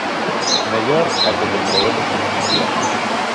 _Mellor é que comprobemos se funcionan.